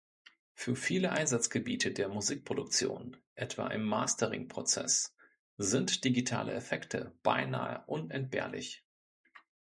Für viele Einsatzgebiete der Musikproduktion, etwa im Mastering-Prozess, sind digitale Effekte beinahe unentbehrlich.